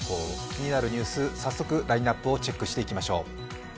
気になるニュース、早速ラインナップをチェックしていきましょう。